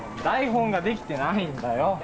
台本が出来てないんだよ。